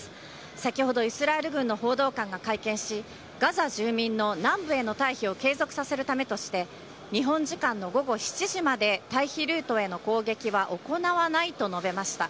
先ほど、イスラエル軍の報道官が会見し、ガザ住民の南部への退避を継続させるためとして、日本時間の午後７時まで、退避ルートへの攻撃は行わないと述べました。